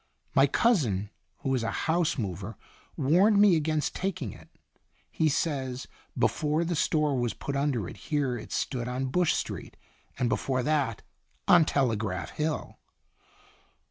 My cousin, who is a house mover, warned me against taking it. He says before the store was put under it here it stood on Bush Street, and before that on Telegraph Hill."